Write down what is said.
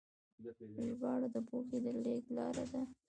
ژباړه د پوهې د لیږد لاره ده.